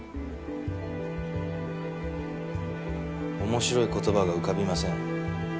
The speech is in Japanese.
面白い言葉が浮かびません。